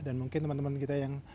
dan mungkin teman teman kita yang